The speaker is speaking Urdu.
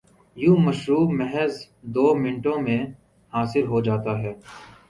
یوں مشروب محض دومنٹوں میں حاصل ہوجاتا ہے۔